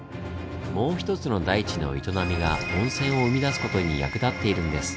もう一つの大地の営みが温泉を生み出すことに役立っているんです。